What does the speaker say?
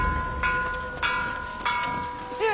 父上。